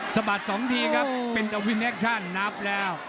สะบัด๒ทีครับเป็นอวินแอคชั่นนับแล้ว